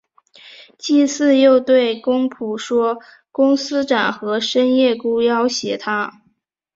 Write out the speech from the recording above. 季姒又对公甫说公思展和申夜姑要挟她。